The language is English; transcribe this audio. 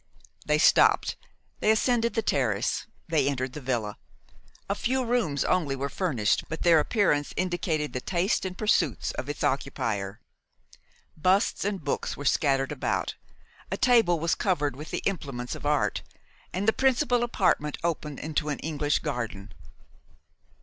They stopped, they ascended the terrace, they entered the villa. A few rooms only were furnished, but their appearance indicated the taste and pursuits of its occupier. Busts and books were scattered about; a table was covered with the implements of art; and the principal apartment opened into an English garden.